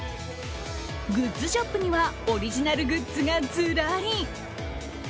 グッズショップにはオリジナルグッズがずらり。